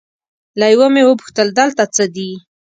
له یوه مې وپوښتل دلته څه دي؟